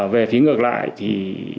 về phía ngược lại thì